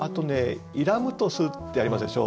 「入らむとす」ってありましたでしょ。